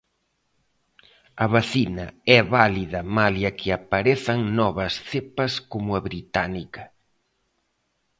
A vacina é válida malia que aparezan novas cepas como a británica.